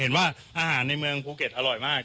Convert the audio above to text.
เห็นว่าพูเกจอาหารแน่ในเมืองอร่อยมาก